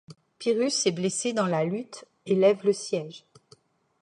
Pyrrhus est blessé dans la lutte et lève le siège.